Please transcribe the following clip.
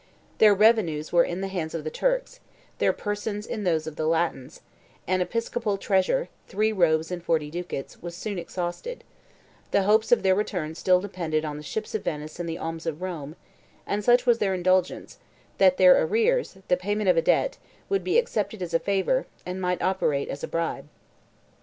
Their revenues were in the hands of the Turks, their persons in those of the Latins: an episcopal treasure, three robes and forty ducats, was soon exhausted: 66 the hopes of their return still depended on the ships of Venice and the alms of Rome; and such was their indigence, that their arrears, the payment of a debt, would be accepted as a favor, and might operate as a bribe.